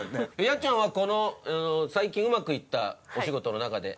やっちゃんはこの最近うまくいったお仕事の中で。